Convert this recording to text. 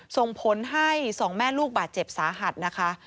ส่งผลให้สองแม่ลูกบาดเจ็บสาหัสนะคะ